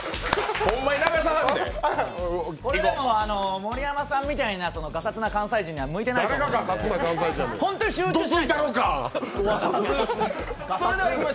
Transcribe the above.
盛山さんみたいなガサツな関西人には向いてないと思います。